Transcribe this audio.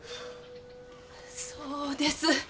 そうです。